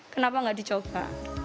kenapa enggak dicoba